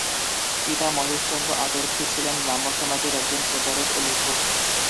পিতা মহেশচন্দ্র আতর্থী ছিলেন ব্রাহ্মসমাজের একজন প্রচারক ও লেখক।